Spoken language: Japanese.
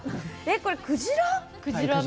これ、クジラ？